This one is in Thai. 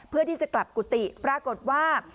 เพื่อที่จะกลับกุฏิปรากฏว่า